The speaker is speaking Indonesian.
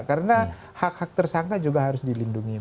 karena hak hak tersangka juga harus dilindungi